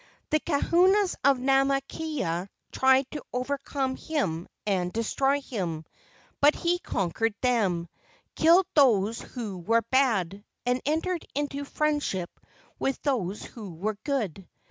The kahunas of Namakaeha tried to overcome him and destroy him, but he conquered them, killed those who were bad, and entered into friendship with those who were good.